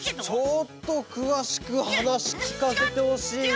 ちょっとくわしくはなしきかせてほしいな。